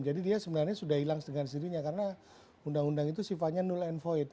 jadi dia sebenarnya sudah hilang dengan sendirinya karena undang undang itu sifatnya null and void